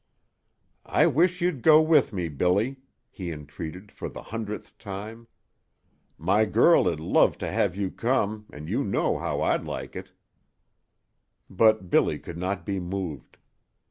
"I wish you'd go with me, Billy," he entreated for the hundredth time. "My girl 'd love to have you come, an' you know how I'd like it." But Billy could not be moved.